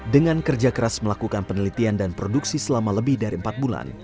dengan kerja keras melakukan penelitian dan produksi selama lebih dari empat bulan